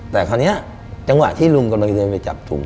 แต่คราวนี้จังหวะที่ลุงกำลังจะเดินไปจับถุง